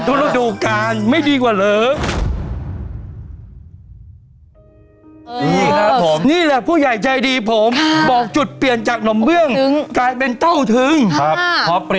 เป็นการที่เคล็ดลับจับเงินร้านของเช่นซิมี